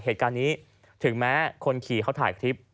เหตุการณ์นี้ถึงแม้คนขี่เขาถ่ายคลิป